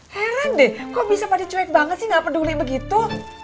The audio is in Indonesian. heran deh kok bisa pada cuek banget sih nggak peduli begitu